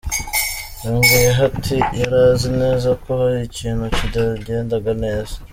Yongeyeho ati “Yari azi neza ko hari ikintu kitagendaga neza.